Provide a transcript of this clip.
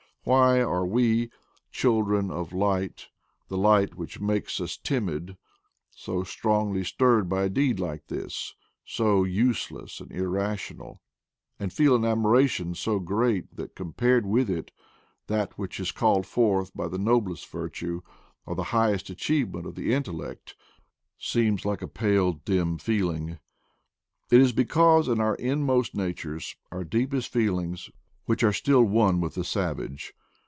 Why are we, children of light — the light which makes us timid — so strongly stirred by a deed like this, so useless and irrational, and feel an admiration so great that compared with it that which is called forth by the noblest virtue, or the highest achieve ment of the intellect, seems like a pale dim feel ing f It is because in our inmost natures, our deepest feelings, we are still one with the savage.